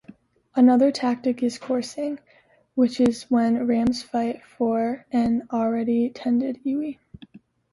Another tactic is coursing, which is when rams fight for an already tended ewe.